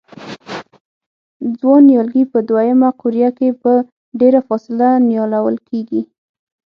ځوان نیالګي په دوه یمه قوریه کې په ډېره فاصله نیالول کېږي.